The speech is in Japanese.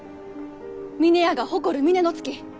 峰屋が誇る峰乃月。